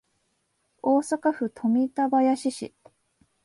大阪府富田林市